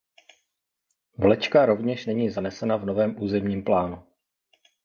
Vlečka rovněž není zanesena v novém územním plánu.